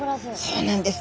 そうなんです。